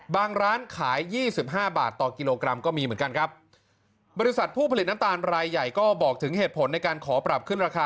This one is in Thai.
ร้านขายยี่สิบห้าบาทต่อกิโลกรัมก็มีเหมือนกันครับบริษัทผู้ผลิตน้ำตาลรายใหญ่ก็บอกถึงเหตุผลในการขอปรับขึ้นราคา